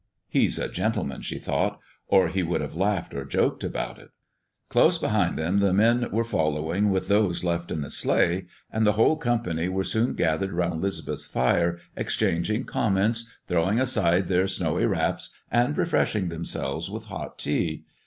"He's a gentleman," she thought, "or he would have laughed or joked about it." Close behind them the men were following with those left in the sleigh, and the whole company were soon gathered around 'Lisbeth's fire, exchanging comments, throwing aside their snowy wraps, and refreshing themselves with hot tea.